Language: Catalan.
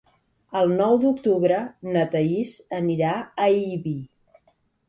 El nou d'octubre na Thaís anirà a Ibi.